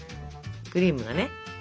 クリームがね